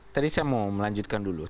tadi saya mau melanjutkan dulu